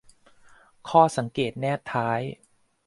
ข้อสังเกตแนบท้าย